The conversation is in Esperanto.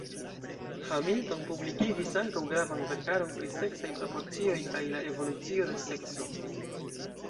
Hamilton publikigis ankaŭ gravan verkaron pri seksaj proporcioj kaj la evolucio de sekso.